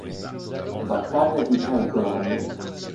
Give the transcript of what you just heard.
Battaglia di Helgoland